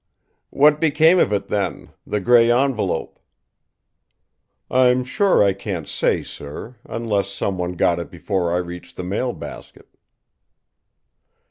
"What became of it, then the grey envelope?" "I'm sure I can't say, sir, unless some one got it before I reached the mail basket."